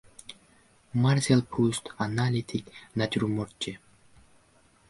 Marsel Prust – analitik natyurmortchi.